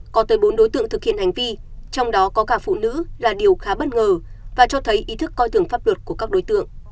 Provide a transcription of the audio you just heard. có tới bốn đối tượng thực hiện hành vi trong đó có cả phụ nữ là điều khá bất ngờ và cho thấy ý thức coi thường pháp luật của các đối tượng